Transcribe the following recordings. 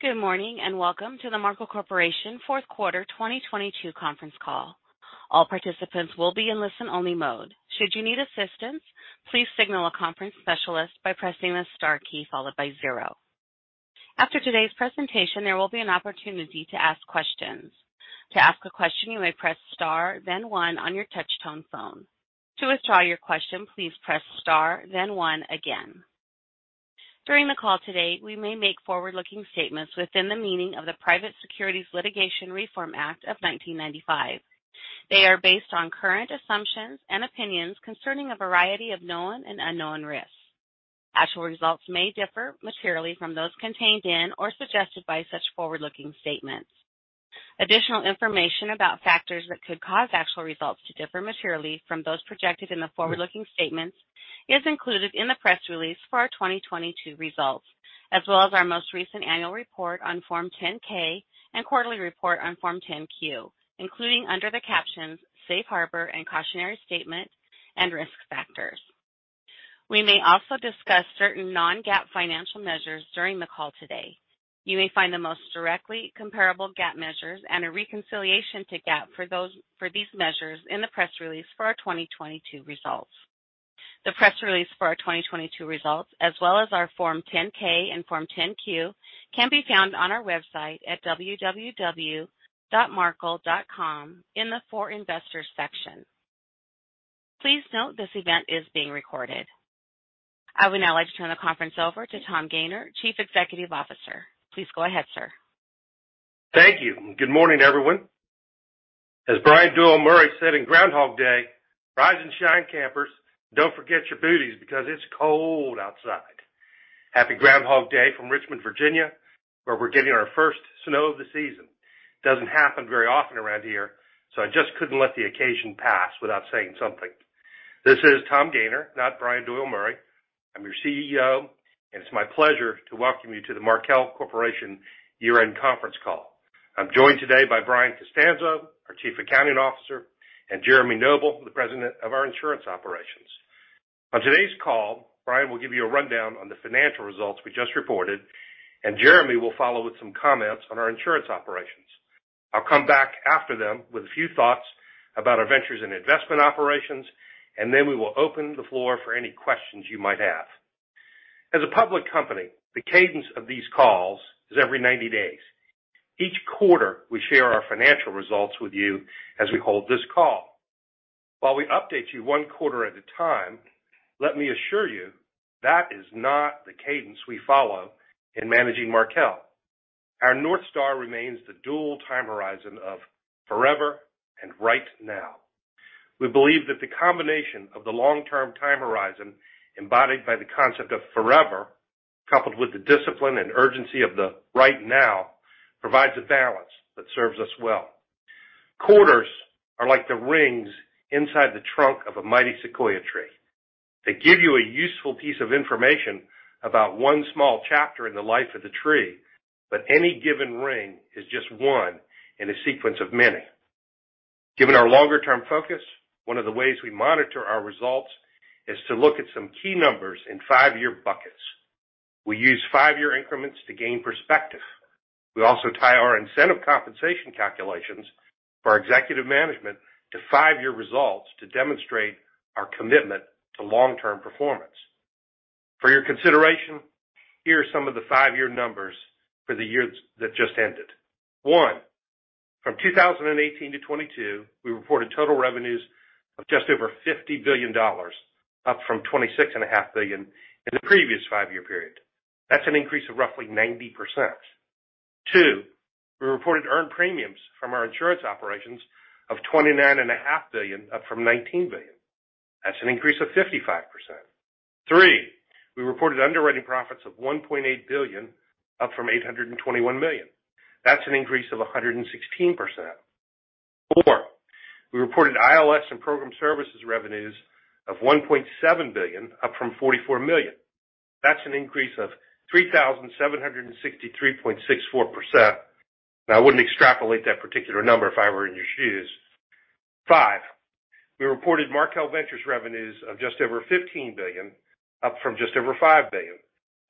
Good morning. Welcome to the Markel Corporation fourth quarter 2022 conference call. All participants will be in listen-only mode. Should you need assistance, please signal a conference specialist by pressing the star key followed by zero. After today's presentation, there will be an opportunity to ask questions. To ask a question, you may press star then one on your touch-tone phone. To withdraw your question, please press star then one again. During the call today, we may make forward-looking statements within the meaning of the Private Securities Litigation Reform Act of 1995. They are based on current assumptions and opinions concerning a variety of known and unknown risks. Actual results may differ materially from those contained in or suggested by such forward-looking statements. Additional information about factors that could cause actual results to differ materially from those projected in the forward-looking statements is included in the press release for our 2022 results, as well as our most recent annual report on Form 10-K and quarterly report on Form 10-Q, including under the captions "Safe Harbor and Cautionary Statements" and "Risk Factors." We may also discuss certain non-GAAP financial measures during the call today. You may find the most directly comparable GAAP measures and a reconciliation to GAAP for these measures in the press release for our 2022 results. The press release for our 2022 results, as well as our Form 10-K and Form 10-Q, can be found on our website at www.markel.com in the For Investors section. Please note this event is being recorded. I would now like to turn the conference over to Tom Gayner, Chief Executive Officer. Please go ahead, sir. Thank you. Good morning, everyone. As Bill Murray said in Groundhog Day, "Rise and shine, campers. Don't forget your booties because it's cold outside." Happy Groundhog Day from Richmond, Virginia, where we're getting our first snow of the season. I just couldn't let the occasion pass without saying something. This is Tom Gayner, not Bill Murray. I'm your CEO, and it's my pleasure to welcome you to the Markel Corporation year-end conference call. I'm joined today by Brian Costanzo, our Chief Accounting Officer, and Jeremy Noble, the President of our insurance operations. On today's call, Brian will give you a rundown on the financial results we just reported, and Jeremy will follow with some comments on our insurance operations. I'll come back after them with a few thoughts about our ventures and investment operations, and then we will open the floor for any questions you might have. As a public company, the cadence of these calls is every 90 days. Each quarter, we share our financial results with you as we hold this call. While we update you one quarter at a time, let me assure you that is not the cadence we follow in managing Markel. Our North Star remains the dual time horizon of forever and right now. We believe that the combination of the long-term time horizon embodied by the concept of forever, coupled with the discipline and urgency of the right now, provides a balance that serves us well. Quarters are like the rings inside the trunk of a mighty Sequoia tree. They give you a useful piece of information about one small chapter in the life of the tree, but any given ring is just one in a sequence of many. Given our longer-term focus, one of the ways we monitor our results is to look at some key numbers in five year buckets. We use five-year increments to gain perspective. We also tie our incentive compensation calculations for our executive management to five year results to demonstrate our commitment to long-term performance. For your consideration, here are some of the five-year numbers for the year that just ended. One, from 2018 to 2022, we reported total revenues of just over $50 billion, up from $26 and a half billion in the previous five year period. That's an increase of roughly 90%. Two, we reported earned premiums from our insurance operations of $29 and a half billion, up from $19 billion. That's an increase of 55%. Three, we reported underwriting profits of $1.8 billion, up from $821 million. That's an increase of 116%. Four, we reported ILS and program services revenues of $1.7 billion, up from $44 million. That's an increase of 3,763.64%. I wouldn't extrapolate that particular number if I were in your shoes. Five, we reported Markel Ventures revenues of just over $15 billion, up from just over $5 billion.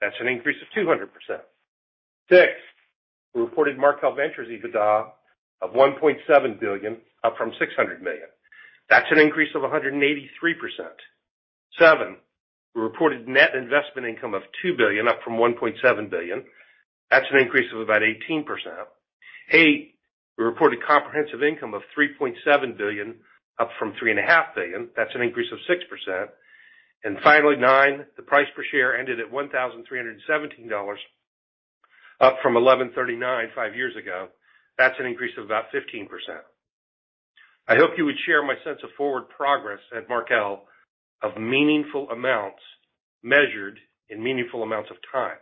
That's an increase of 200%. Six, we reported Markel Ventures EBITDA of $1.7 billion, up from $600 million. That's an increase of 183%. Seven, we reported net investment income of $2 billion, up from $1.7 billion. That's an increase of about 18%. Eight, we reported comprehensive income of $3.7 billion, up from three and a half billion. That's an increase of 6%. Finally, nine, the price per share ended at $1,317, up from $1,139 five years ago. That's an increase of about 15%. I hope you would share my sense of forward progress at Markel of meaningful amounts measured in meaningful amounts of time.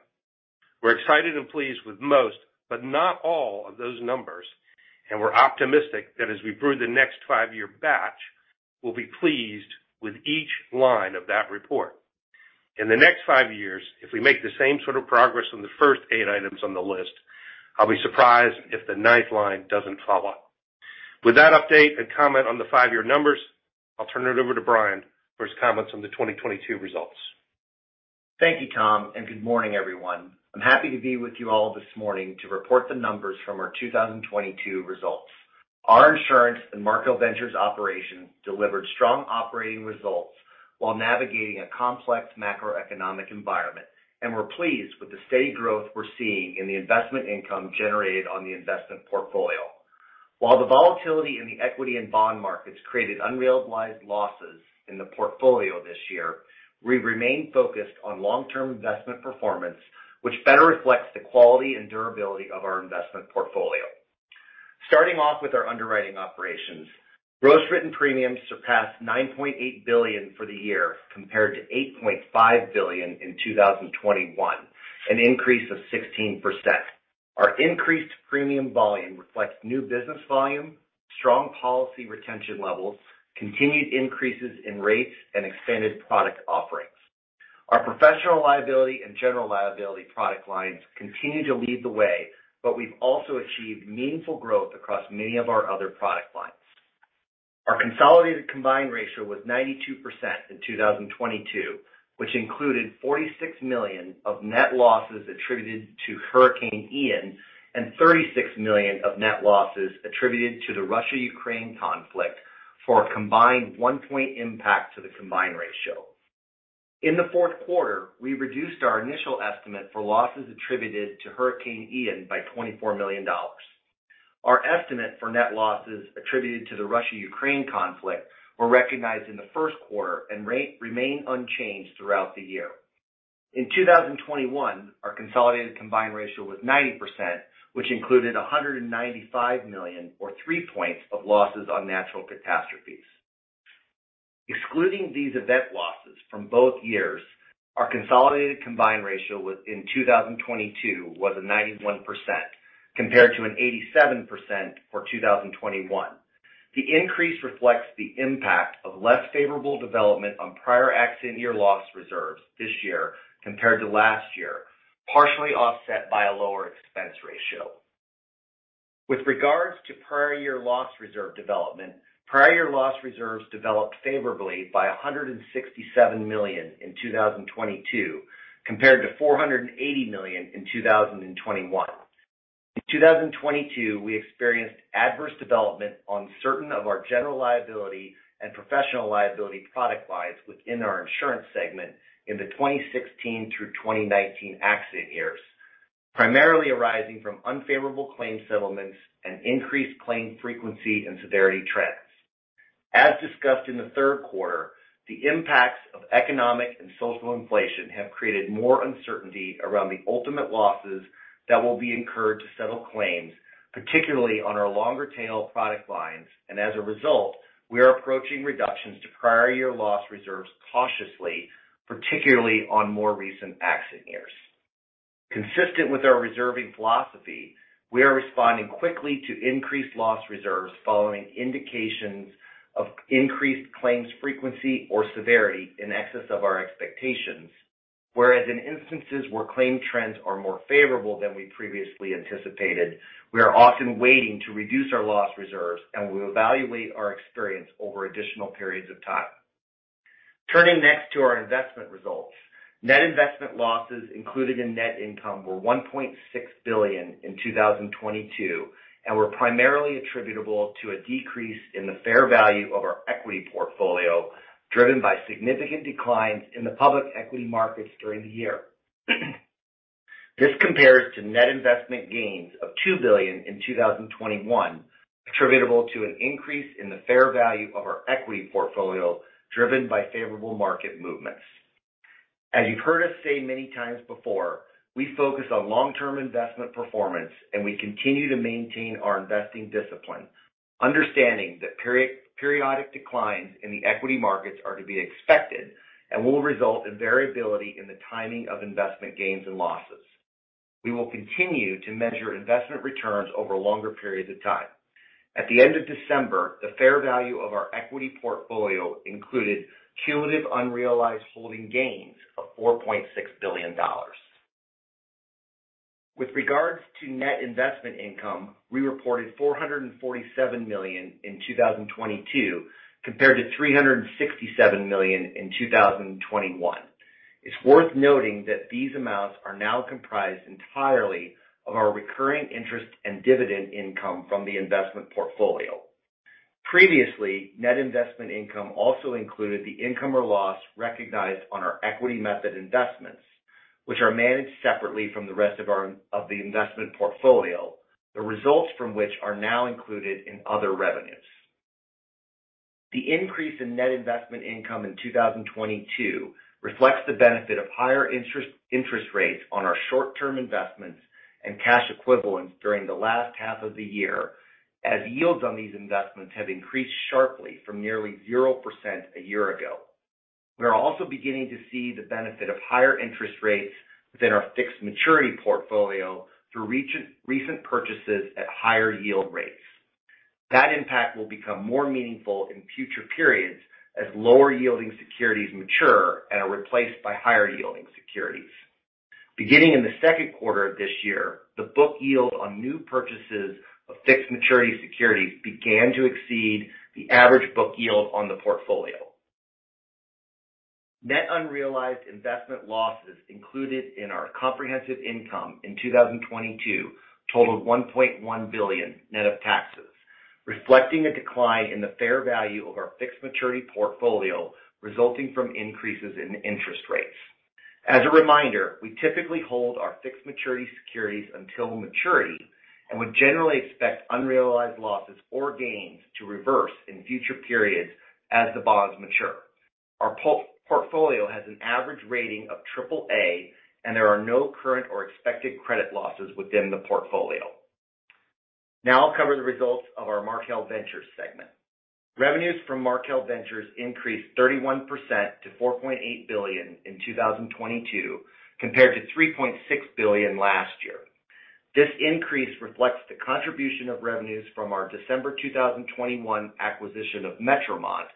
We're excited and pleased with most, but not all, of those numbers, and we're optimistic that as we brew the next five year batch, we'll be pleased with each line of that report. In the next five years, if we make the same sort of progress on the first eight items on the list, I'll be surprised if the ninth line doesn't follow. With that update and comment on the five year numbers, I'll turn it over to Brian for his comments on the 2022 results. Thank you, Tom, and good morning, everyone. I'm happy to be with you all this morning to report the numbers from our 2022 results. Our insurance and Markel Ventures operation delivered strong operating results while navigating a complex macroeconomic environment. We're pleased with the steady growth we're seeing in the investment income generated on the investment portfolio. While the volatility in the equity and bond markets created unrealized losses in the portfolio this year, we remain focused on long-term investment performance, which better reflects the quality and durability of our investment portfolio. Starting off with our underwriting operations, gross written premiums surpassed $9.8 billion for the year compared to $8.5 billion in 2021, an increase of 16%. Our increased premium volume reflects new business volume, strong policy retention levels, continued increases in rates, and expanded product offerings. Our professional liability and general liability product lines continue to lead the way. We've also achieved meaningful growth across many of our other product lines. Our consolidated combined ratio was 92% in 2022, which included $46 million of net losses attributed to Hurricane Ian and $36 million of net losses attributed to the Russia-Ukraine conflict for a combined 1 point impact to the combined ratio. In the fourth quarter, we reduced our initial estimate for losses attributed to Hurricane Ian by $24 million. Our estimate for net losses attributed to the Russia-Ukraine conflict were recognized in the first quarter and remain unchanged throughout the year. In 2021, our consolidated combined ratio was 90%, which included $195 million or 3 points of losses on natural catastrophes. Excluding these event losses from both years, our consolidated combined ratio was, in 2022, was 91% compared to an 87% for 2021. The increase reflects the impact of less favorable development on prior accident year loss reserves this year compared to last year, partially offset by a lower expense ratio. With regards to prior year loss reserve development, prior year loss reserves developed favorably by $167 million in 2022 compared to $480 million in 2021. In 2022, we experienced adverse development on certain of our general liability and professional liability product lines within our insurance segment in the 2016-2019 accident years, primarily arising from unfavorable claim settlements and increased claim frequency and severity trends As discussed in the third quarter, the impacts of economic and social inflation have created more uncertainty around the ultimate losses that will be incurred to settle claims, particularly on our longer tail product lines. As a result, we are approaching reductions to prior year loss reserves cautiously, particularly on more recent accident years. Consistent with our reserving philosophy, we are responding quickly to increased loss reserves following indications of increased claims frequency or severity in excess of our expectations. In instances where claim trends are more favorable than we previously anticipated, we are often waiting to reduce our loss reserves and will evaluate our experience over additional periods of time. Turning next to our investment results. Net investment losses included in net income were $1.6 billion in 2022 and were primarily attributable to a decrease in the fair value of our equity portfolio, driven by significant declines in the public equity markets during the year. This compares to net investment gains of $2 billion in 2021, attributable to an increase in the fair value of our equity portfolio driven by favorable market movements. As you've heard us say many times before, we focus on long-term investment performance. We continue to maintain our investing discipline. Understanding that periodic declines in the equity markets are to be expected and will result in variability in the timing of investment gains and losses. We will continue to measure investment returns over longer periods of time. At the end of December, the fair value of our equity portfolio included cumulative unrealized holding gains of $4.6 billion. With regards to net investment income, we reported $447 million in 2022 compared to $367 million in 2021. It's worth noting that these amounts are now comprised entirely of our recurring interest and dividend income from the investment portfolio. Previously, net investment income also included the income or loss recognized on our equity method investments, which are managed separately from the rest of the investment portfolio, the results from which are now included in other revenues. The increase in net investment income in 2022 reflects the benefit of higher interest rates on our short-term investments and cash equivalents during the last half of the year, as yields on these investments have increased sharply from nearly 0% a year ago. We are also beginning to see the benefit of higher interest rates within our fixed maturity portfolio through recent purchases at higher yield rates. That impact will become more meaningful in future periods as lower yielding securities mature and are replaced by higher yielding securities. Beginning in the second quarter of this year, the book yield on new purchases of fixed maturity securities began to exceed the average book yield on the portfolio. Net unrealized investment losses included in our comprehensive income in 2022 totaled $1.1 billion net of taxes, reflecting a decline in the fair value of our fixed maturity portfolio resulting from increases in interest rates. As a reminder, we typically hold our fixed maturity securities until maturity and would generally expect unrealized losses or gains to reverse in future periods as the bonds mature. Our portfolio has an average rating of AAA, and there are no current or expected credit losses within the portfolio. Now I'll cover the results of our Markel Ventures segment. Revenues from Markel Ventures increased 31% to $4.8 billion in 2022, compared to $3.6 billion last year. This increase reflects the contribution of revenues from our December 2021 acquisition of Metromont,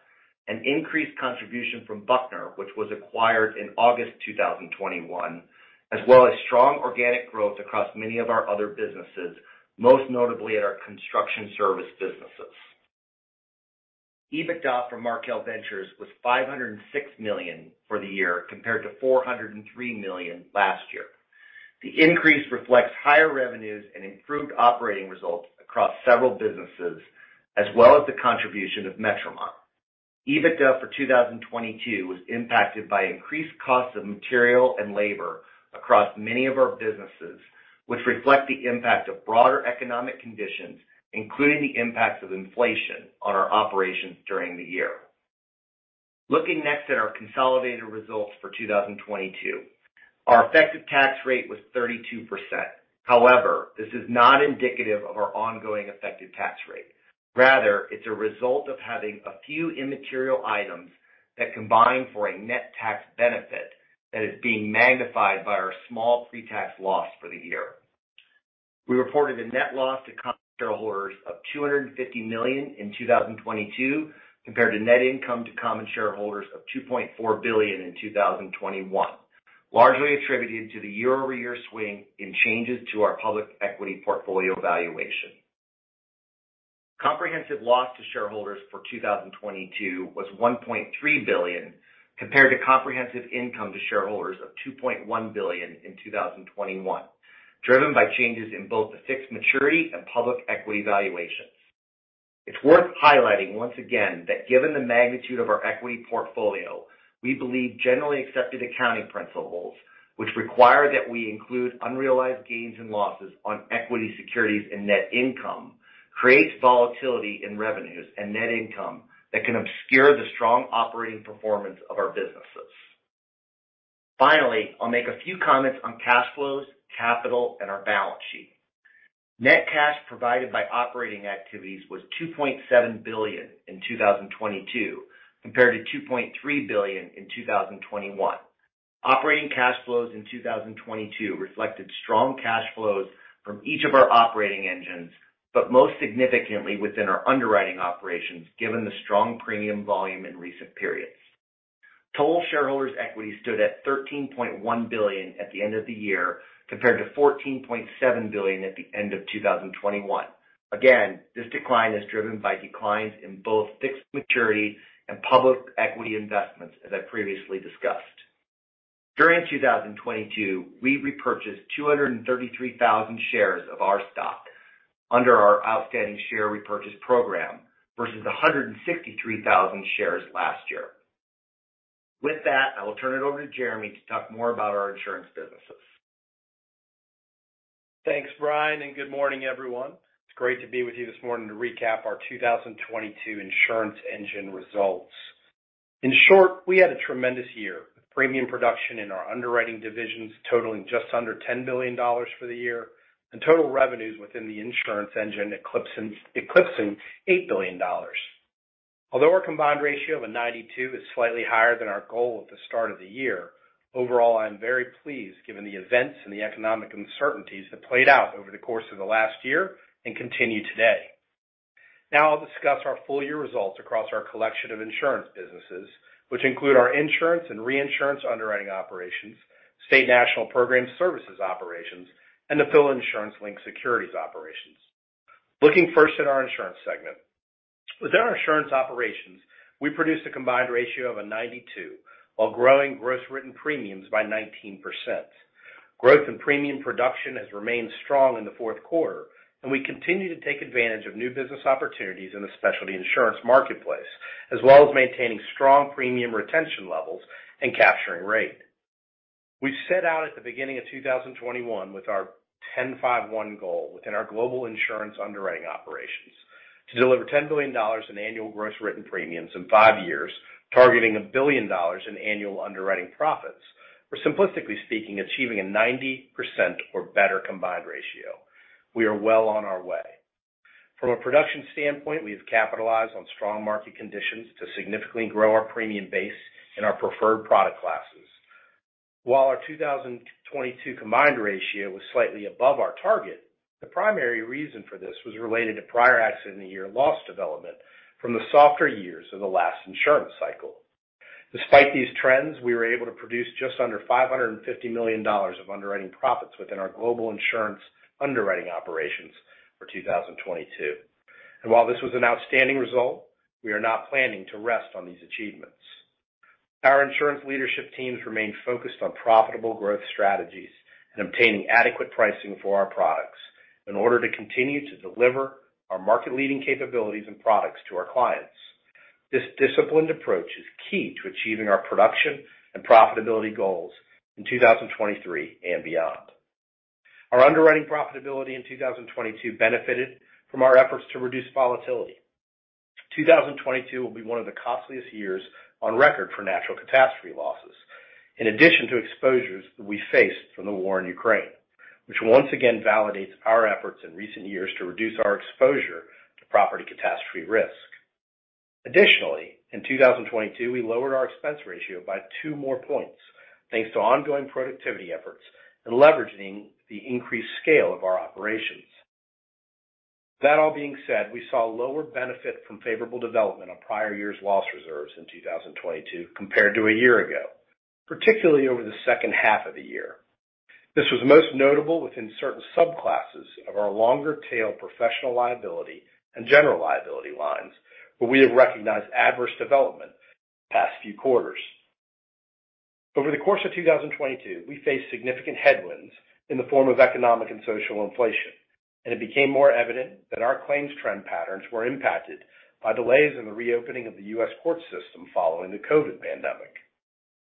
an increased contribution from Buckner, which was acquired in August 2021, as well as strong organic growth across many of our other businesses, most notably at our construction service businesses. EBITDA from Markel Ventures was $506 million for the year, compared to $403 million last year. The increase reflects higher revenues and improved operating results across several businesses, as well as the contribution of Metromont. EBITDA for 2022 was impacted by increased costs of material and labor across many of our businesses, which reflect the impact of broader economic conditions, including the impacts of inflation on our operations during the year. Looking next at our consolidated results for 2022. Our effective tax rate was 32%. However, this is not indicative of our ongoing effective tax rate. Rather, it's a result of having a few immaterial items that combine for a net tax benefit that is being magnified by our small pre-tax loss for the year. We reported a net loss to common shareholders of $250 million in 2022, compared to net income to common shareholders of $2.4 billion in 2021, largely attributed to the year-over-year swing in changes to our public equity portfolio valuation. Comprehensive loss to shareholders for 2022 was $1.3 billion, compared to comprehensive income to shareholders of $2.1 billion in 2021, driven by changes in both the fixed maturity and public equity valuations. It's worth highlighting once again that given the magnitude of our equity portfolio, we believe generally accepted accounting principles, which require that we include unrealized gains and losses on equity, securities, and net income, creates volatility in revenues and net income that can obscure the strong operating performance of our businesses. Finally, I'll make a few comments on cash flows, capital, and our balance sheet. Net cash provided by operating activities was $2.7 billion in 2022, compared to $2.3 billion in 2021. Operating cash flows in 2022 reflected strong cash flows from each of our operating engines, but most significantly within our underwriting operations, given the strong premium volume in recent periods. Total shareholders' equity stood at $13.1 billion at the end of the year, compared to $14.7 billion at the end of 2021. Again, this decline is driven by declines in both fixed maturity and public equity investments, as I previously discussed. During 2022, we repurchased 233,000 shares of our stock under our outstanding share repurchase program versus 163,000 shares last year. With that, I will turn it over to Jeremy to talk more about our insurance businesses. Thanks, Brian. Good morning, everyone. It's great to be with you this morning to recap our 2022 insurance engine results. In short, we had a tremendous year. Premium production in our underwriting divisions totaling just under $10 billion for the year, and total revenues within the insurance engine eclipsing $8 billion. Although our combined ratio of a 92 is slightly higher than our goal at the start of the year, overall, I am very pleased given the events and the economic uncertainties that played out over the course of the last year and continue today. I'll discuss our full-year results across our collection of insurance businesses, which include our insurance and reinsurance underwriting operations, State National program services operations, and the affiliate insurance-linked securities operations. Looking first at our insurance segment. Within our insurance operations, we produced a combined ratio of a 92 while growing gross written premiums by 19%. Growth in premium production has remained strong in the fourth quarter. We continue to take advantage of new business opportunities in the specialty insurance marketplace, as well as maintaining strong premium retention levels and capturing rate. We set out at the beginning of 2021 with our 10-5-1 goal within our global insurance underwriting operations to deliver $10 billion in annual gross written premiums in five years, targeting $1 billion in annual underwriting profits. We're simplistically speaking, achieving a 90% or better combined ratio. We are well on our way. From a production standpoint, we have capitalized on strong market conditions to significantly grow our premium base in our preferred product classes. While our 2022 combined ratio was slightly above our target. The primary reason for this was related to prior accident year loss development from the softer years of the last insurance cycle. Despite these trends, we were able to produce just under $550 million of underwriting profits within our global insurance underwriting operations for 2022. While this was an outstanding result, we are not planning to rest on these achievements. Our insurance leadership teams remain focused on profitable growth strategies and obtaining adequate pricing for our products in order to continue to deliver our market-leading capabilities and products to our clients. This disciplined approach is key to achieving our production and profitability goals in 2023 and beyond. Our underwriting profitability in 2022 benefited from our efforts to reduce volatility. 2022 will be one of the costliest years on record for natural catastrophe losses, in addition to exposures we faced from the war in Ukraine, which once again validates our efforts in recent years to reduce our exposure to property catastrophe risk. In 2022, we lowered our expense ratio by 2 more points, thanks to ongoing productivity efforts and leveraging the increased scale of our operations. All being said, we saw lower benefit from favorable development on prior years' loss reserves in 2022 compared to a year ago, particularly over the second half of the year. This was most notable within certain subclasses of our longer tail professional liability and general liability lines, where we have recognized adverse development the past few quarters. Over the course of 2022, we faced significant headwinds in the form of economic and social inflation. It became more evident that our claims trend patterns were impacted by delays in the reopening of the U.S. court system following the COVID pandemic.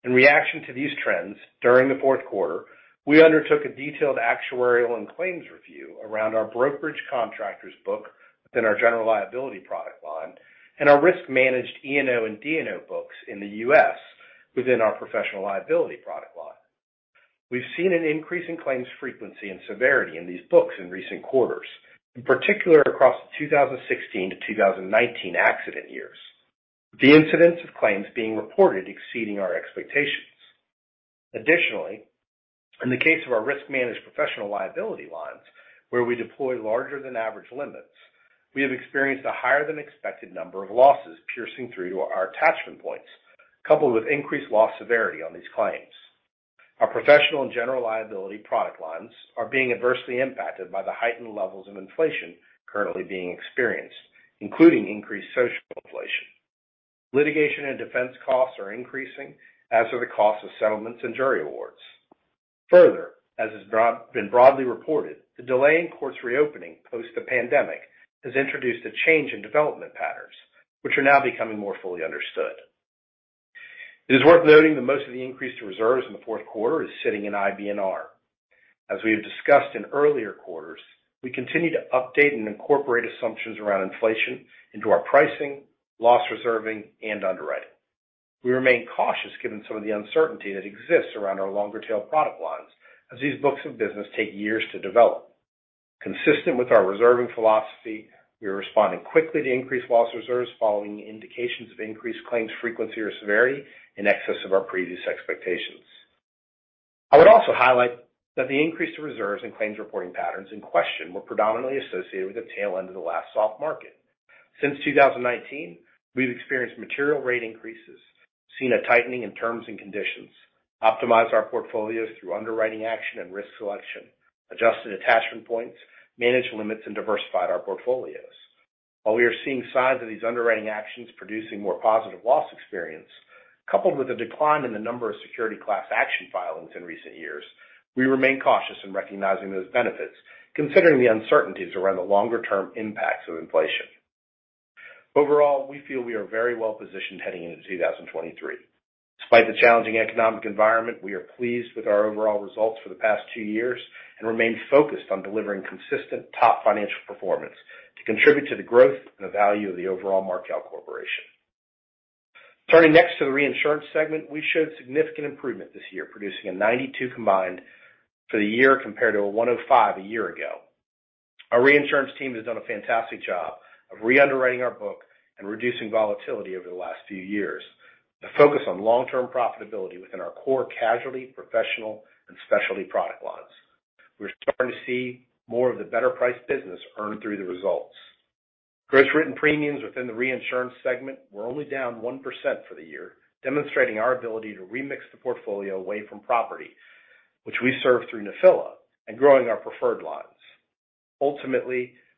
In reaction to these trends, during the fourth quarter, we undertook a detailed actuarial and claims review around our brokerage contractors book within our general liability product line and our risk-managed E&O and D&O books in the U.S. within our professional liability product line. We've seen an increase in claims frequency and severity in these books in recent quarters, in particular across the 2016 to 2019 accident years. The incidence of claims being reported exceeding our expectations. Additionally, in the case of our risk-managed professional liability lines, where we deploy larger than average limits, we have experienced a higher than expected number of losses piercing through to our attachment points, coupled with increased loss severity on these claims. Our professional and general liability product lines are being adversely impacted by the heightened levels of inflation currently being experienced, including increased social inflation. Litigation and defense costs are increasing, as are the costs of settlements and jury awards. Further, as has broadly reported, the delay in courts reopening post the pandemic has introduced a change in development patterns, which are now becoming more fully understood. It is worth noting that most of the increase to reserves in the fourth quarter is sitting in IBNR. As we have discussed in earlier quarters, we continue to update and incorporate assumptions around inflation into our pricing, loss reserving, and underwriting. We remain cautious given some of the uncertainty that exists around our longer tail product lines as these books of business take years to develop. Consistent with our reserving philosophy, we are responding quickly to increased loss reserves following indications of increased claims frequency or severity in excess of our previous expectations. I would also highlight that the increase to reserves and claims reporting patterns in question were predominantly associated with the tail end of the last soft market. Since 2019, we've experienced material rate increases, seen a tightening in terms and conditions, optimized our portfolios through underwriting action and risk selection, adjusted attachment points, managed limits, and diversified our portfolios. While we are seeing signs of these underwriting actions producing more positive loss experience, coupled with a decline in the number of security class action filings in recent years, we remain cautious in recognizing those benefits, considering the uncertainties around the longer-term impacts of inflation. Overall, we feel we are very well positioned heading into 2023. Despite the challenging economic environment, we are pleased with our overall results for the past two years and remain focused on delivering consistent top financial performance to contribute to the growth and the value of the overall Markel Corporation. Turning next to the reinsurance segment, we showed significant improvement this year, producing a 92 combined for the year compared to a 105 a year ago. Our reinsurance team has done a fantastic job of re-underwriting our book and reducing volatility over the last few years to focus on long-term profitability within our core casualty, professional, and specialty product lines. We're starting to see more of the better-priced business earn through the results. Gross written premiums within the reinsurance segment were only down 1% for the year, demonstrating our ability to remix the portfolio away from property, which we serve through Nephila, and growing our preferred lines.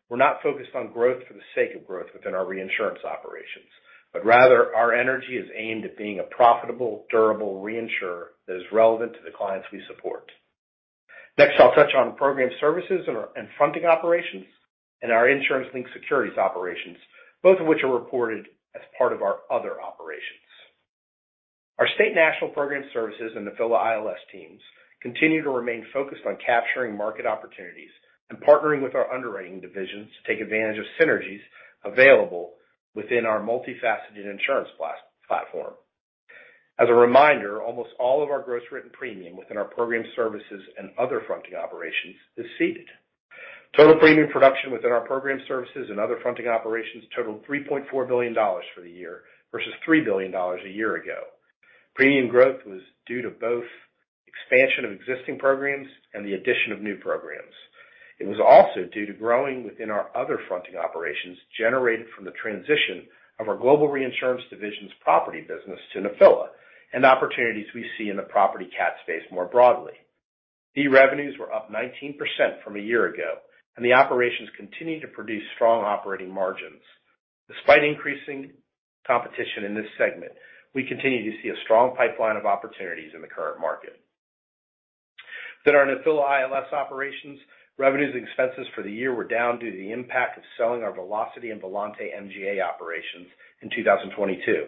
We're not focused on growth for the sake of growth within our reinsurance operations, but rather our energy is aimed at being a profitable, durable reinsurer that is relevant to the clients we support. Next, I'll touch on program services and our fronting operations and our insurance-linked securities operations, both of which are reported as part of our other operations. Our State National program services and Nephila ILS teams continue to remain focused on capturing market opportunities and partnering with our underwriting divisions to take advantage of synergies available within our multifaceted insurance platform. A reminder, almost all of our gross written premium within our program services and other fronting operations is ceded. Total premium production within our program services and other fronting operations totaled $3.4 billion for the year versus $3 billion a year ago. Premium growth was due to both expansion of existing programs and the addition of new programs. It was also due to growing within our other fronting operations generated from the transition of our global reinsurance division's property business to Nephila and opportunities we see in the property cat space more broadly. Fee revenues were up 19% from a year ago, and the operations continued to produce strong operating margins. Despite increasing competition in this segment, we continue to see a strong pipeline of opportunities in the current market. Our Nephila ILS operations, revenues, and expenses for the year were down due to the impact of selling our Velocity and Volante MGA operations in 2022.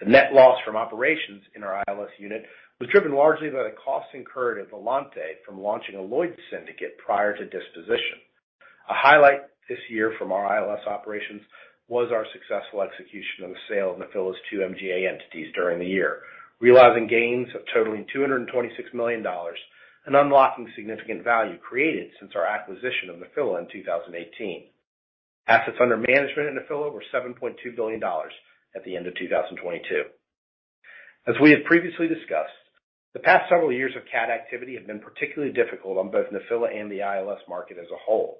The net loss from operations in our ILS unit was driven largely by the costs incurred at Volante from launching a Lloyd's Syndicate prior to disposition. A highlight this year from our ILS operations was our successful execution of the sale of Nephila's two MGA entities during the year, realizing gains of totaling $226 million and unlocking significant value created since our acquisition of Nephila in 2018. Assets under management in Nephila were $7.2 billion at the end of 2022. As we have previously discussed, the past several years of cat activity have been particularly difficult on both Nephila and the ILS market as a whole.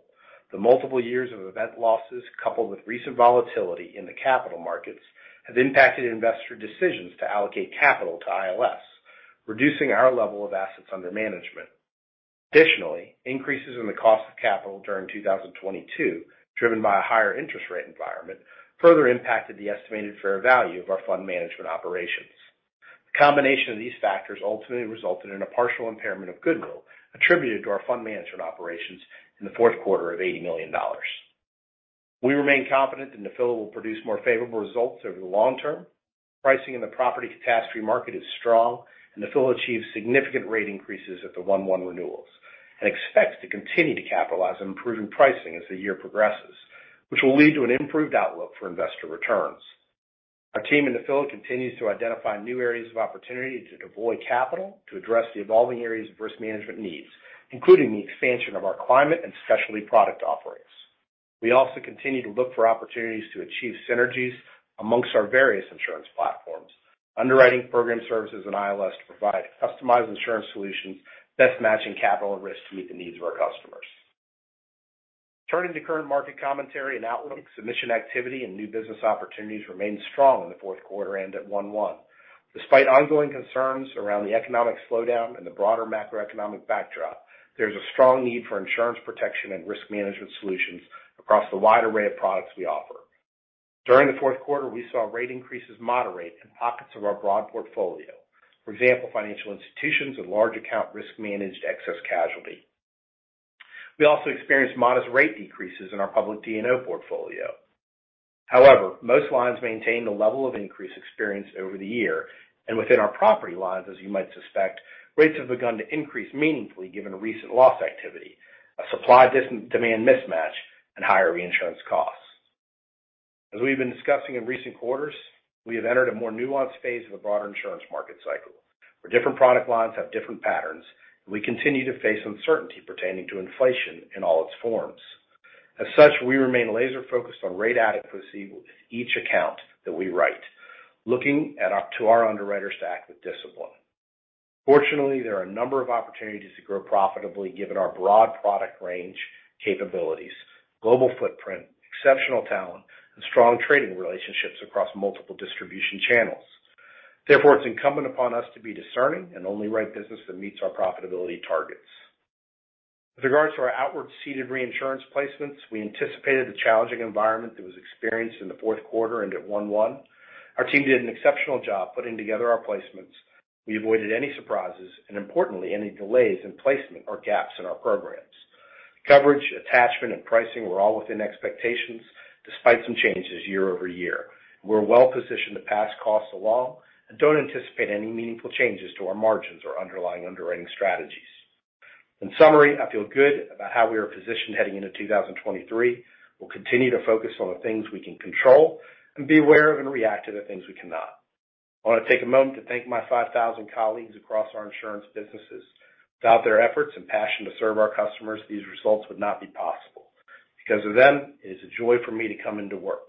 The multiple years of event losses, coupled with recent volatility in the capital markets, has impacted investor decisions to allocate capital to ILS, reducing our level of assets under management. Additionally, increases in the cost of capital during 2022, driven by a higher interest rate environment, further impacted the estimated fair value of our fund management operations. The combination of these factors ultimately resulted in a partial impairment of goodwill attributed to our fund management operations in the fourth quarter of $80 million. We remain confident that Nephila will produce more favorable results over the long term. Pricing in the property catastrophe market is strong, and Nephila achieved significant rate increases at the 1/1 renewals, and expects to continue to capitalize on improving pricing as the year progresses, which will lead to an improved outlook for investor returns. Our team in Nephila continues to identify new areas of opportunity to deploy capital to address the evolving areas of risk management needs, including the expansion of our climate and specialty product offerings. We also continue to look for opportunities to achieve synergies amongst our various insurance platforms, underwriting program services, and ILS to provide customized insurance solutions best matching capital and risk to meet the needs of our customers. Turning to current market commentary and outlook, submission activity and new business opportunities remained strong in the fourth quarter and at 1/1. Despite ongoing concerns around the economic slowdown and the broader macroeconomic backdrop, there's a strong need for insurance protection and risk management solutions across the wide array of products we offer. During the fourth quarter, we saw rate increases moderate in pockets of our broad portfolio. For example, financial institutions and large account risk-managed excess casualty. We also experienced modest rate decreases in our public D&O portfolio. Most lines maintained a level of increase experienced over the year. Within our property lines, as you might suspect, rates have begun to increase meaningfully given recent loss activity, a supply dis-demand mismatch, and higher reinsurance costs. As we've been discussing in recent quarters, we have entered a more nuanced phase of a broader insurance market cycle, where different product lines have different patterns, and we continue to face uncertainty pertaining to inflation in all its forms. As such, we remain laser-focused on rate adequacy with each account that we write, looking up to our underwriters to act with discipline. Fortunately, there are a number of opportunities to grow profitably given our broad product range capabilities, global footprint, exceptional talent, and strong trading relationships across multiple distribution channels. Therefore, it's incumbent upon us to be discerning and only write business that meets our profitability targets. With regards to our outward ceded reinsurance placements, we anticipated the challenging environment that was experienced in the fourth quarter and at 1/1. Our team did an exceptional job putting together our placements. We avoided any surprises and importantly, any delays in placement or gaps in our programs. Coverage, attachment, and pricing were all within expectations, despite some changes year-over-year. We're well-positioned to pass costs along and don't anticipate any meaningful changes to our margins or underlying underwriting strategies. In summary, I feel good about how we are positioned heading into 2023. We'll continue to focus on the things we can control and be aware of and react to the things we cannot. I wanna take a moment to thank my 5,000 colleagues across our insurance businesses. Without their efforts and passion to serve our customers, these results would not be possible. Because of them, it is a joy for me to come into work.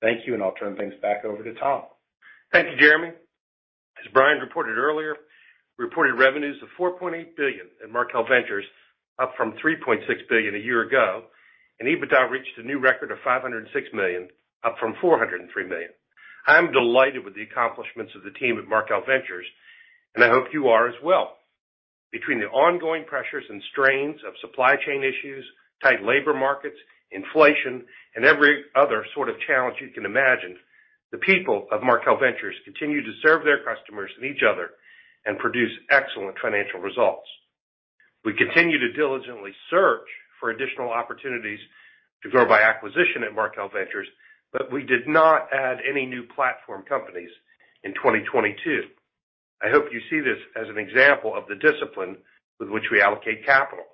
Thank you, and I'll turn things back over to Tom. Thank you, Jeremy. As Brian reported earlier, we reported revenues of $4.8 billion in Markel Ventures, up from $3.6 billion a year ago. EBITDA reached a new record of $506 million, up from $403 million. I'm delighted with the accomplishments of the team at Markel Ventures. I hope you are as well. Between the ongoing pressures and strains of supply chain issues, tight labor markets, inflation, and every other sort of challenge you can imagine, the people of Markel Ventures continue to serve their customers and each other and produce excellent financial results. We continue to diligently search for additional opportunities to grow by acquisition at Markel Ventures. We did not add any new platform companies in 2022. I hope you see this as an example of the discipline with which we allocate capital.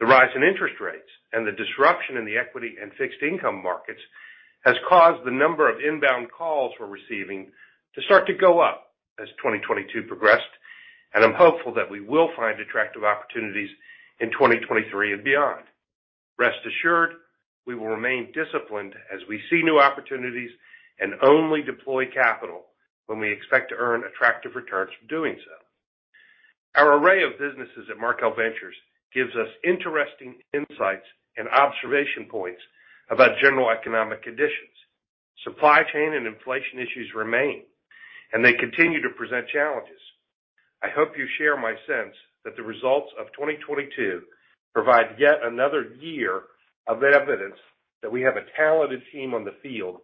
The rise in interest rates and the disruption in the equity and fixed income markets has caused the number of inbound calls we're receiving to start to go up as 2022 progressed, and I'm hopeful that we will find attractive opportunities in 2023 and beyond. Rest assured, we will remain disciplined as we see new opportunities and only deploy capital when we expect to earn attractive returns from doing so. Our array of businesses at Markel Ventures gives us interesting insights and observation points about general economic conditions. Supply chain and inflation issues remain, and they continue to present challenges. I hope you share my sense that the results of 2022 provide yet another year of evidence that we have a talented team on the field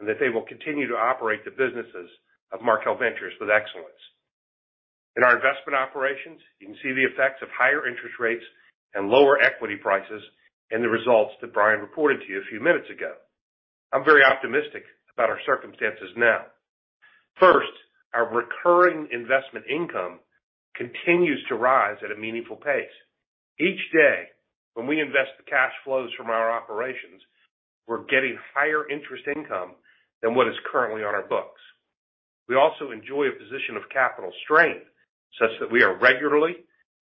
and that they will continue to operate the businesses of Markel Ventures with excellence. In our investment operations, you can see the effects of higher interest rates and lower equity prices in the results that Brian reported to you a few minutes ago. I'm very optimistic about our circumstances now. First, our recurring investment income continues to rise at a meaningful pace. Each day, when we invest the cash flows from our operations, we're getting higher interest income than what is currently on our books. We also enjoy a position of capital strength, such that we are regularly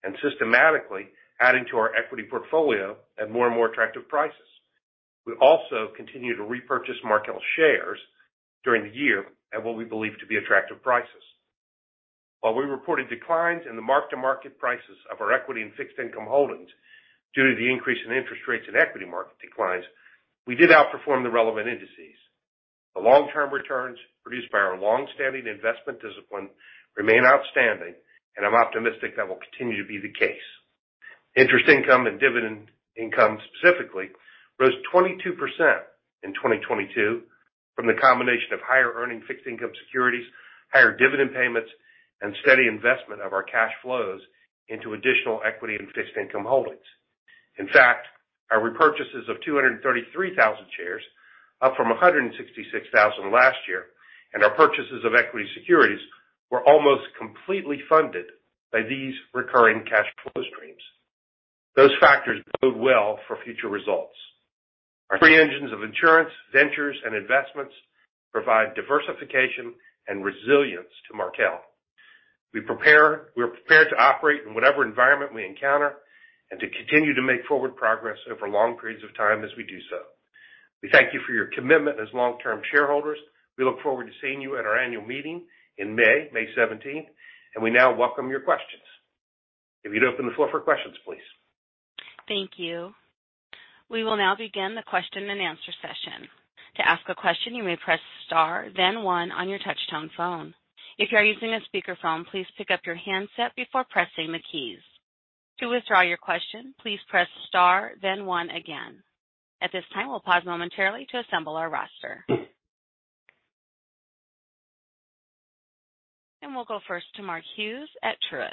and systematically adding to our equity portfolio at more and more attractive prices. We also continue to repurchase Markel shares during the year at what we believe to be attractive prices. While we reported declines in the mark-to-market prices of our equity and fixed income holdings due to the increase in interest rates and equity market declines, we did outperform the relevant indices. The long-term returns produced by our long-standing investment discipline remain outstanding. I'm optimistic that will continue to be the case. Interest income and dividend income specifically rose 22% in 2022 from the combination of higher earning fixed income securities, higher dividend payments, and steady investment of our cash flows into additional equity and fixed income holdings. In fact, our repurchases of 233,000 shares, up from 166,000 last year, and our purchases of equity securities were almost completely funded by these recurring cash flow streams. Those factors bode well for future results. Our three engines of insurance, ventures, and investments provide diversification and resilience to Markel. We're prepared to operate in whatever environment we encounter and to continue to make forward progress over long periods of time as we do so. We thank you for your commitment as long-term shareholders. We look forward to seeing you at our annual meeting in May seventeenth. We now welcome your questions. If you'd open the floor for questions, please. Thank you. We will now begin the question-and-answer session. To ask a question, you may press star then one on your touchtone phone. If you are using a speakerphone, please pick up your handset before pressing the keys. To withdraw your question, please press star then one again. At this time, we'll pause momentarily to assemble our roster. We'll go first to Mark Hughes at Truist.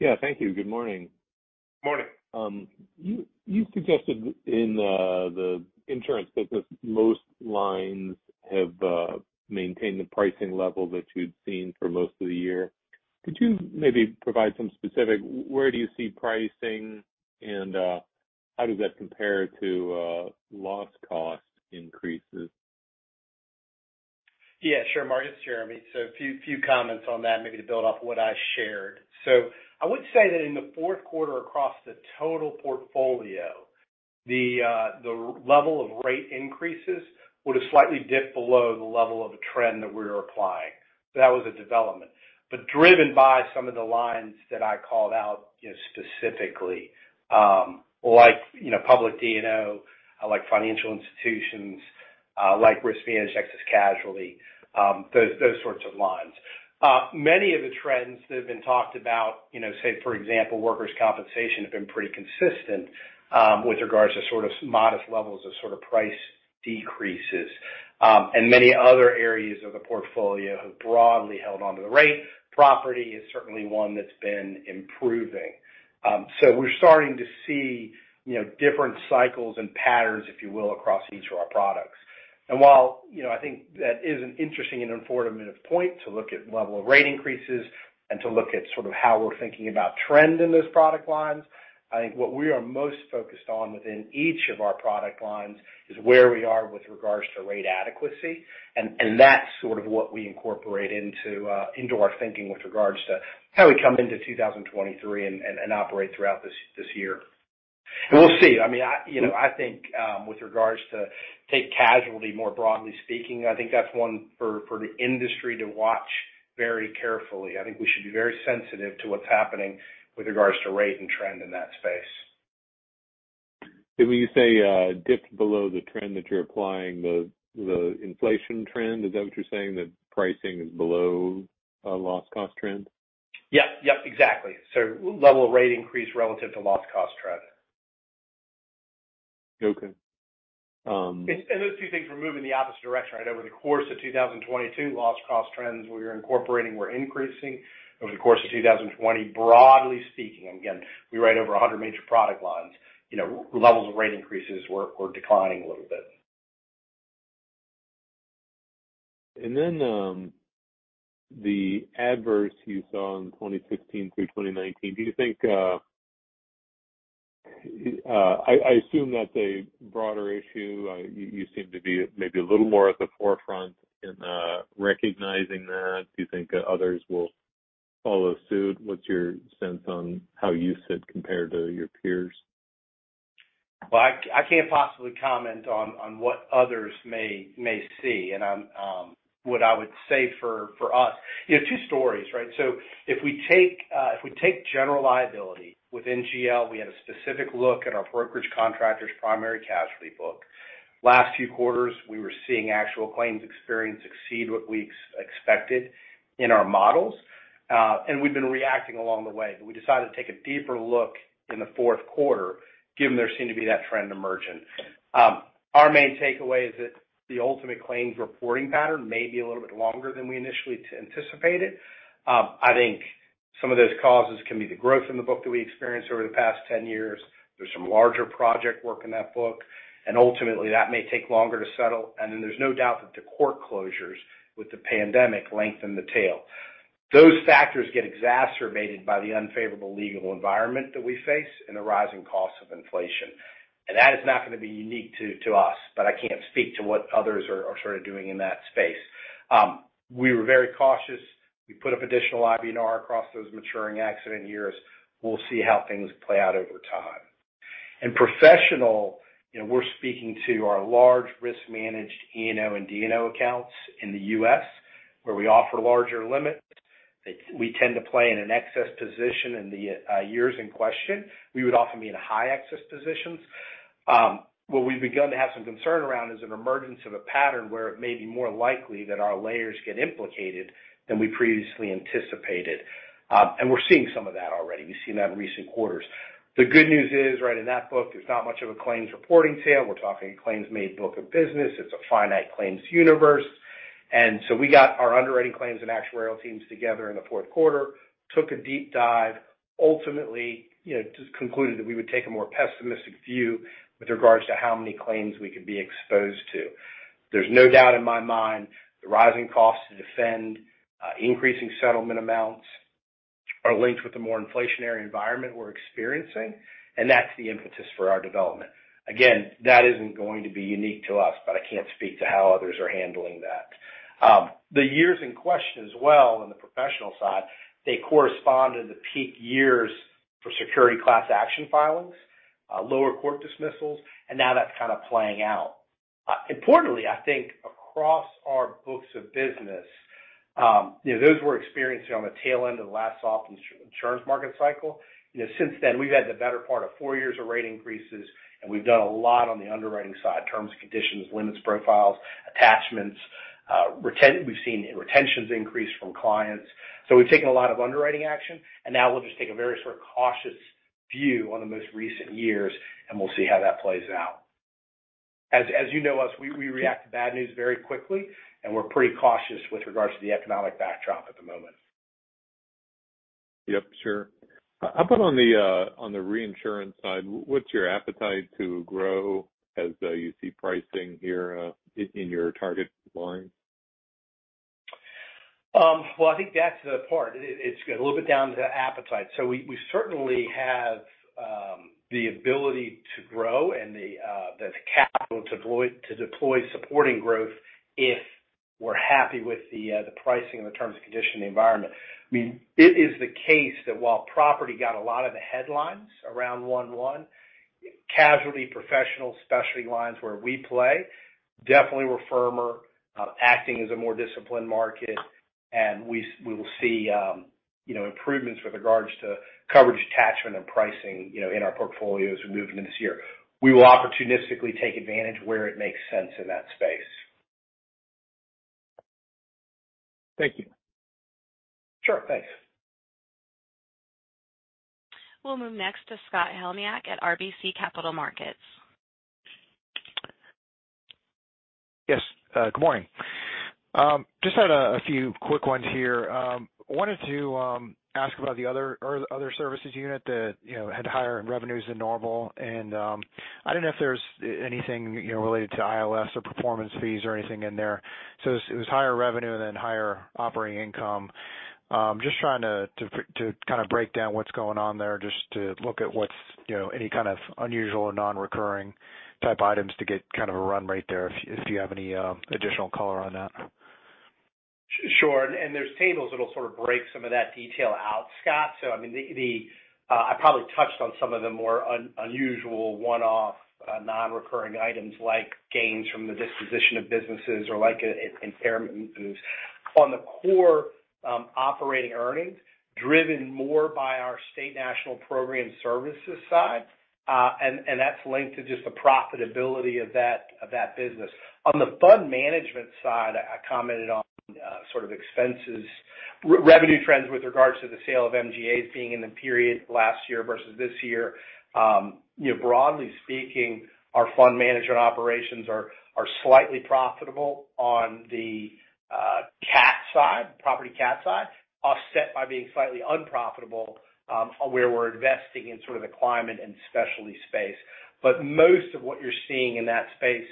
Yeah, thank you. Good morning. Morning. You suggested in the insurance business, most lines have maintained the pricing level that you've seen for most of the year. Could you maybe provide some specific where do you see pricing and how does that compare to loss cost increases? Yeah, sure, Mark. It's Jeremy. A few comments on that maybe to build off what I shared. I would say that in the fourth quarter across the total portfolio, the level of rate increases would have slightly dipped below the level of a trend that we're applying. That was a development, but driven by some of the lines that I called out, you know, specifically, like, you know, public D&O, like financial institutions, like risk management, excess casualty, those sorts of lines. Many of the trends that have been talked about, you know, say for example, workers' compensation, have been pretty consistent with regards to sort of modest levels of sort of price decreases. Many other areas of the portfolio have broadly held on to the rate. Property is certainly one that's been improving. We're starting to see, you know, different cycles and patterns, if you will, across each of our products. While, you know, I think that is an interesting and informative point to look at level of rate increases and to look at sort of how we're thinking about trend in those product lines, I think what we are most focused on within each of our product lines is where we are with regards to rate adequacy, and that's sort of what we incorporate into our thinking with regards to how we come into 2023 and operate throughout this year. We'll see. I mean, I, you know, I think, with regards to take casualty more broadly speaking, I think that's one for the industry to watch very carefully. I think we should be very sensitive to what's happening with regards to rate and trend in that space. When you say, dipped below the trend that you're applying the inflation trend, is that what you're saying that pricing is below, loss cost trend? Yep. Yep, exactly. Level of rate increase relative to loss cost trend. Okay. Those two things were moving in the opposite direction, right? Over the course of 2022, loss cost trends we were incorporating were increasing. Over the course of 2020, broadly speaking, again, we write over 100 major product lines, you know, levels of rate increases were declining a little bit. The adverse you saw in 2016 through 2019, do you think I assume that's a broader issue? You seem to be maybe a little more at the forefront in recognizing that. Do you think others will follow suit? What's your sense on how you sit compared to your peers? Well, I can't possibly comment on what others may see. I'm, what I would say for us, you know, two stories, right? If we take general liability with NGL, we had a specific look at our brokerage contractors' primary casualty book. Last few quarters, we were seeing actual claims experience exceed what we expected in our models. We've been reacting along the way. We decided to take a deeper look in the fourth quarter, given there seemed to be that trend emerging. Our main takeaway is that the ultimate claims reporting pattern may be a little bit longer than we initially anticipated. I think some of those causes can be the growth in the book that we experienced over the past 10 years. There's some larger project work in that book, and ultimately, that may take longer to settle. Then there's no doubt that the court closures with the pandemic lengthen the tail. Those factors get exacerbated by the unfavorable legal environment that we face and the rising cost of inflation. That is not gonna be unique to us, but I can't speak to what others are sort of doing in that space. We were very cautious. We put up additional IBNR across those maturing accident years. We'll see how things play out over time. In professional, you know, we're speaking to our large risk-managed E&O and D&O accounts in the U.S. where we offer larger limits. We tend to play in an excess position in the years in question. We would often be in high excess positions. What we've begun to have some concern around is an emergence of a pattern where it may be more likely that our layers get implicated than we previously anticipated. We're seeing some of that already. We've seen that in recent quarters. The good news is, right, in that book, there's not much of a claims reporting tail. We're talking claims made book of business. It's a finite claims universe. We got our underwriting claims and actuarial teams together in the fourth quarter, took a deep dive, ultimately, you know, just concluded that we would take a more pessimistic view with regards to how many claims we could be exposed to. There's no doubt in my mind the rising cost to defend, increasing settlement amounts are linked with the more inflationary environment we're experiencing, and that's the impetus for our development. That isn't going to be unique to us, but I can't speak to how others are handling that. The years in question as well on the professional side, they correspond to the peak years for security class action filings, lower court dismissals, and now that's kind of playing out. Importantly, I think across our books of business, you know, those we're experiencing on the tail end of the last soft insurance market cycle. You know, since then, we've had the better part of four years of rate increases, and we've done a lot on the underwriting side, terms and conditions, limits profiles, attachments. We've seen retentions increase from clients. We've taken a lot of underwriting action, and now we'll just take a very sort of cautious view on the most recent years, and we'll see how that plays out. As you know us, we react to bad news very quickly, and we're pretty cautious with regards to the economic backdrop at the moment. Yep, sure. How about on the, on the reinsurance side, what's your appetite to grow as, you see pricing here, in your target line? Well, I think that's the part. It's a little bit down to appetite. We, we certainly have the ability to grow and the capital to deploy, to deploy supporting growth if we're happy with the pricing and the terms and condition of the environment. I mean, it is the case that while property got a lot of the headlines around 1/1, casualty, professional, specialty lines where we play definitely were firmer, acting as a more disciplined market. We will see, you know, improvements with regards to coverage attachment and pricing, you know, in our portfolio as we move into this year. We will opportunistically take advantage where it makes sense in that space. Thank you. Sure. Thanks. We'll move next to Scott Heleniak at RBC Capital Markets. Yes, good morning. Just had a few quick ones here. Wanted to ask about the other or other services unit that, you know, had higher revenues than normal. I don't know if there's anything, you know, related to ILS or performance fees or anything in there. It was higher revenue and then higher operating income. Just trying to kind of break down what's going on there, just to look at what's, you know, any kind of unusual or non-recurring type items to get kind of a run rate there, if you have any additional color on that? Sure. There's tables that'll sort of break some of that detail out, Scott. I mean, the I probably touched on some of the more unusual one-off, non-recurring items like gains from the disposition of businesses or like an impairment boost. On the core operating earnings, driven more by our State National program services side, and that's linked to just the profitability of that business. On the fund management side, I commented on sort of expenses. Re-revenue trends with regards to the sale of MGAs being in the period last year versus this year. You know, broadly speaking, our fund management operations are slightly profitable on the cat side, property cat side, offset by being slightly unprofitable where we're investing in sort of the climate and specialty space. Most of what you're seeing in that space,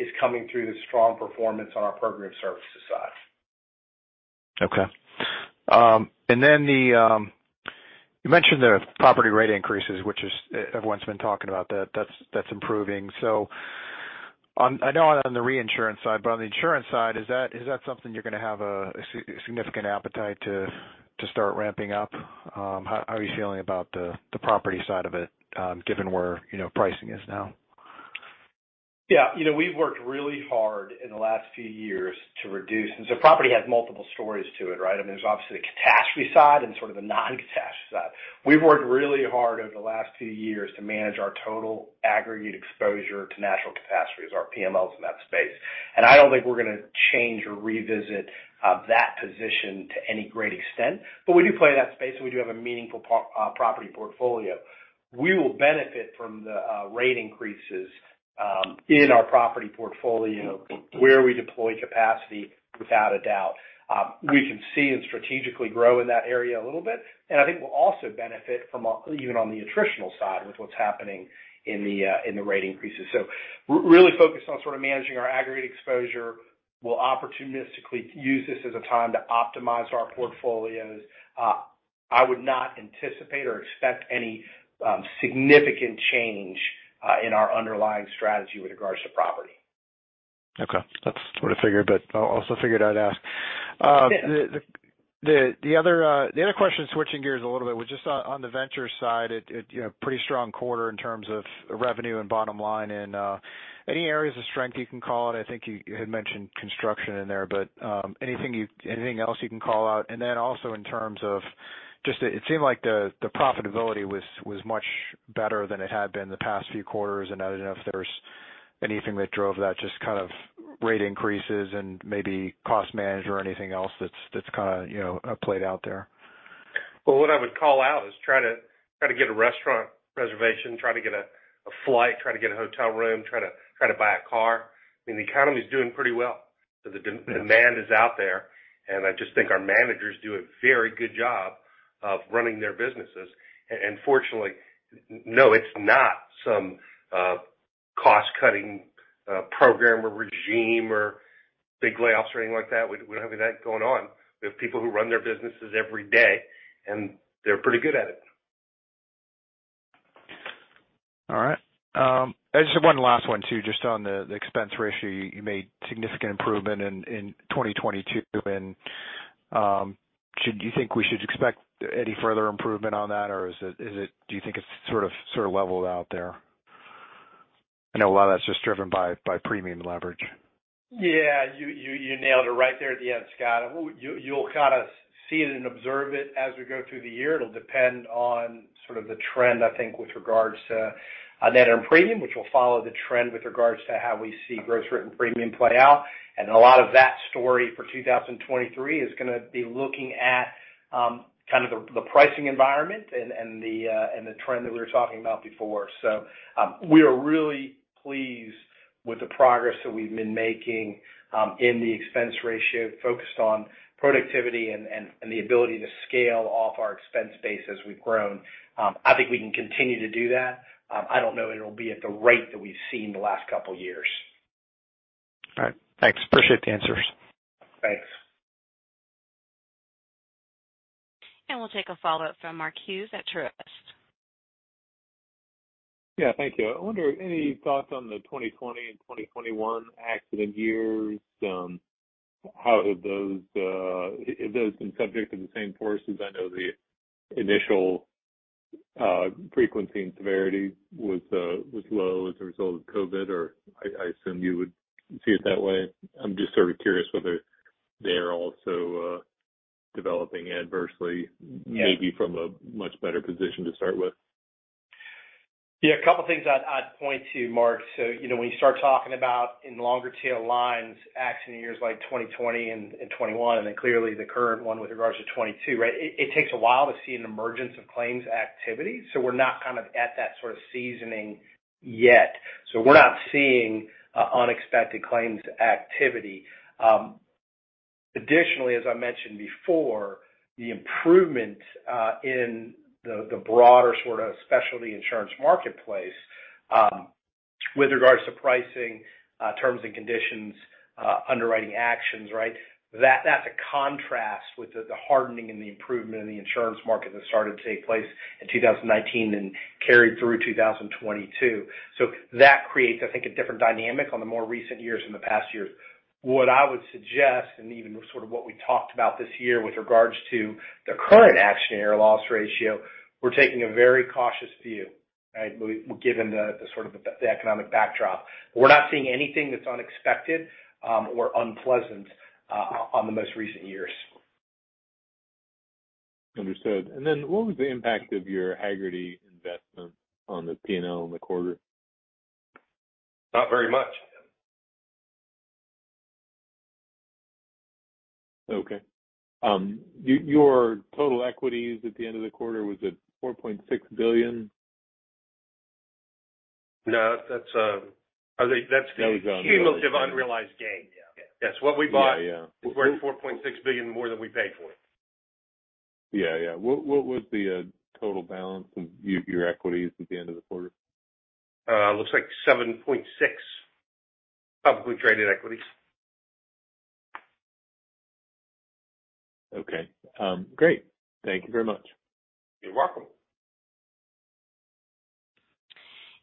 is coming through the strong performance on our program services side. Okay. Then the, you mentioned the property rate increases, which is, everyone's been talking about that's, that's improving. I know on the reinsurance side, but on the insurance side, is that, is that something you're gonna have a significant appetite to start ramping up? How, how are you feeling about the property side of it, given where, you know, pricing is now? Yeah. You know, we've worked really hard in the last few years to reduce... Property has multiple stories to it, right? I mean, there's obviously the catastrophe side and sort of the non-catastrophe side. We've worked really hard over the last two years to manage our total aggregate exposure to natural catastrophes, our PMLs in that space. I don't think we're gonna change or revisit that position to any great extent. We do play in that space, and we do have a meaningful property portfolio. We will benefit from the rate increases in our property portfolio where we deploy capacity, without a doubt. We can see and strategically grow in that area a little bit, and I think we'll also benefit from, even on the attritional side with what's happening in the rate increases. really focused on sort of managing our aggregate exposure. We'll opportunistically use this as a time to optimize our portfolios. I would not anticipate or expect any significant change in our underlying strategy with regards to property. Okay. That's what I figured, but I also figured I'd ask. Yeah. The other question, switching gears a little bit, was just on the venture side. It, you know, pretty strong quarter in terms of revenue and bottom line and any areas of strength you can call out? I think you had mentioned construction in there, but anything else you can call out? Then also in terms of just the... it seemed like the profitability was much better than it had been the past few quarters. I don't know if there's anything that drove that, just kind of rate increases and maybe cost manage or anything else that's kinda, you know, played out there. Well, what I would call out is try to get a restaurant reservation, try to get a flight, try to get a hotel room, try to buy a car. I mean, the economy's doing pretty well. The demand is out there, and I just think our managers do a very good job of running their businesses. Fortunately, no, it's not some cost-cutting program or regime or big layoffs or anything like that. We don't have any of that going on. We have people who run their businesses every day, and they're pretty good at it. All right. Just one last one too, just on the expense ratio. You made significant improvement in 2022. Do you think we should expect any further improvement on that, or is it do you think it's sort of leveled out there? I know a lot of that's just driven by premium leverage. Yeah. You nailed it right there at the end, Scott. You'll kind of see it and observe it as we go through the year. It'll depend on sort of the trend, I think, with regards to net and premium, which will follow the trend with regards to how we see gross written premium play out. A lot of that story for 2023 is gonna be looking at kind of the pricing environment and the trend that we were talking about before. We are really pleased with the progress that we've been making in the expense ratio, focused on productivity and the ability to scale off our expense base as we've grown. I think we can continue to do that. I don't know that it'll be at the rate that we've seen the last couple years. All right. Thanks. Appreciate the answers. Thanks. We'll take a follow-up from Mark Hughes at Truist. Yeah. Thank you. I wonder, any thoughts on the 2020 and 2021 accident years? How have those, have those been subject to the same forces? I know the initial, frequency and severity was low as a result of COVID, or I assume you would see it that way. I'm just sort of curious whether they're also developing adversely? Yeah. Maybe from a much better position to start with. Yeah, a couple things I'd point to Mark. You know, when you start talking about in longer tail lines, accident years like 2020 and 2021, clearly the current one with regards to 2022, right? It takes a while to see an emergence of claims activity. We're not kind of at that sort of seasoning yet. We're not seeing unexpected claims activity. Additionally, as I mentioned before, the improvement in the broader sort of specialty insurance marketplace, with regards to pricing, terms and conditions, underwriting actions, right? That's a contrast with the hardening and the improvement in the insurance market that started to take place in 2019 and carried through 2022. That creates, I think, a different dynamic on the more recent years and the past years. What I would suggest, and even sort of what we talked about this year with regards to the current action year loss ratio, we're taking a very cautious view, right? We given the sort of the economic backdrop. We're not seeing anything that's unexpected or unpleasant on the most recent years. Understood. Then what was the impact of your Hagerty investment on the P&L in the quarter? Not very much. Okay. your total equities at the end of the quarter, was it $4.6 billion? No, that's, I think that's, That was on cumulative unrealized gain. Yeah. That's what we bought. Yeah, yeah. We're at $4.6 billion more than we paid for it. Yeah. What was the total balance of your equities at the end of the quarter? looks like $7.6 publicly traded equities. Okay. great. Thank you very much. You're welcome.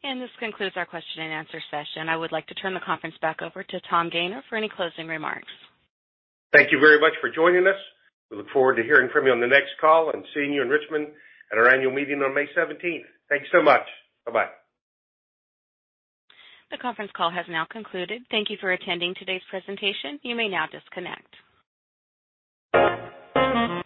This concludes our question and answer session. I would like to turn the conference back over to Tom Gayner for any closing remarks. Thank you very much for joining us. We look forward to hearing from you on the next call and seeing you in Richmond at our annual meeting on May seventeenth. Thank you so much. Bye-bye. The conference call has now concluded. Thank you for attending today's presentation. You may now disconnect.